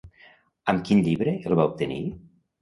Amb quin llibre el va obtenir?